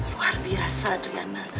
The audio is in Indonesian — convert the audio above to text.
luar biasa adriana